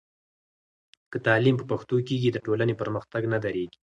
که تعلیم په پښتو کېږي، د ټولنې پرمختګ نه درېږي.